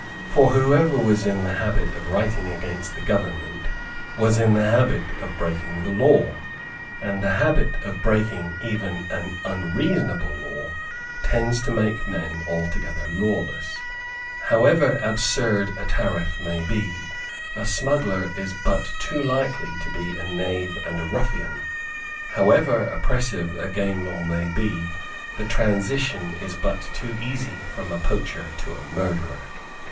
For whoever was in the habit of writing against the government was in the habit of breaking the law; and the habit of breaking even an unreasonable law tends to make men altogether lawless. However absurd a tariff may be, a smuggler is but too likely to be a knave and a ruffian. How ever oppressive a game law may be, the transition is but too easy from a poacher to a murderer.